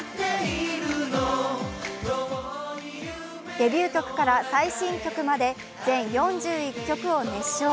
デビュー曲から最新曲まで全４１曲を熱唱。